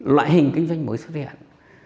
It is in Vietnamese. loại hình kinh doanh mới xuất hiện